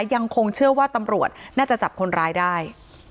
ยังคงเชื่อว่าตำรวจน่าจะจับคนร้ายได้